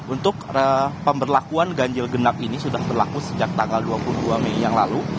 untuk pemberlakuan ganjil genap ini sudah berlaku sejak tanggal dua puluh dua mei yang lalu